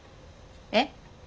えっ！？